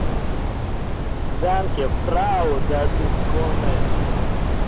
Данке... фрау... дас ис коммен...